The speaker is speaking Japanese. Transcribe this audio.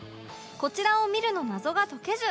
「こちらを見る」の謎が解けず